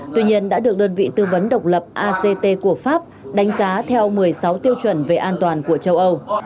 tuy nhiên đã được đơn vị tư vấn độc lập act của pháp đánh giá theo một mươi sáu tiêu chuẩn về an toàn của châu âu